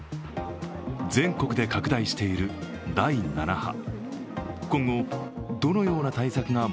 全国で拡大している第７波。